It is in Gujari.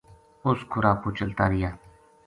اس کھُرا پو چلتا رہیا